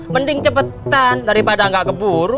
mending cepetan daripada nggak keburu